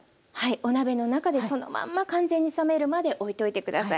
お鍋の中でそのまんま完全に冷めるまでおいといて下さい。